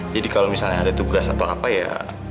jadi kalau misalnya ada tugas atau apa ya